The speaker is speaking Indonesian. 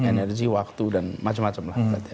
energi waktu dan macam macam lah